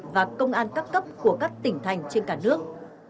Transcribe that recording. và công an các cấp của các tỉnh thành trên cả nước